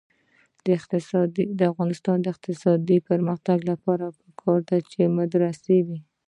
د افغانستان د اقتصادي پرمختګ لپاره پکار ده چې مدرسه وي.